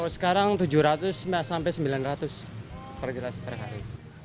sekarang tujuh ratus mbak sampai sembilan ratus per gelas per hari